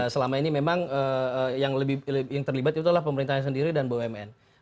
selama ini memang yang terlibat itu adalah pemerintahnya sendiri dan bumn